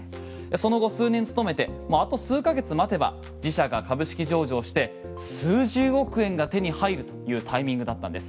その後数年勤めてあと数か月待てば自社が株式上場して数十億円が手に入るというタイミングだったんです。